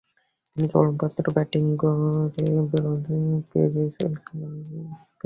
তিনি কেবলমাত্র ব্যাটিং গড়ে ডব্লিউজি গ্রেসের পিছনে ছিলেন।